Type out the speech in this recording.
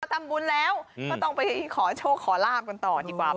ทำบุญแล้วก็ต้องไปขอโชคขอลาบกันต่อดีกว่า